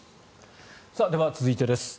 では、続いてです。